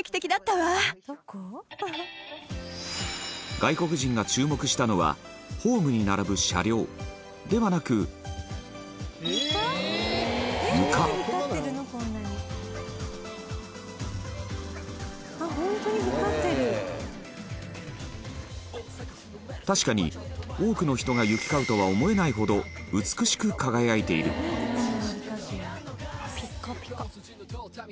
外国人が注目したのはホームに並ぶ車両ではなく確かに、多くの人が行き交うとは思えないほど美しく輝いている本仮屋：ピカピカ。